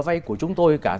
vay của chúng tôi cả